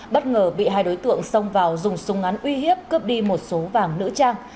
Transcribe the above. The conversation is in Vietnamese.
bất ngờ bị hai đối tượng xông vào dùng súng án uy hiếp cướp đi một số vàng nữ trang